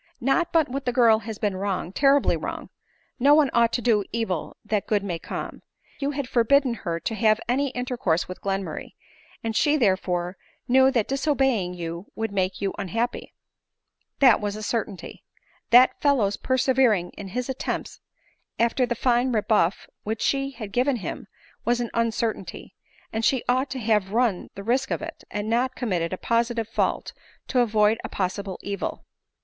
Not but what the girl has been wrong — terribly wrong ; no one ought to do evil that good may come. You had forbidden her to have any intercourse with Glenmurray ; and she, therefore, knew that disobeying you would make, you unhappy — that was 11 118 ADELINE MOWBRAY. a certainty. That fellow's persevering in his attempts, after the fine rebuff which she had given him, was an uncertainty ; and she ought to have run the risk of it, and not committed a positive fault to avoid a possible evil.